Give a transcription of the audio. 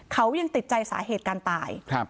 เขายังติดใจสาเหตุการตาย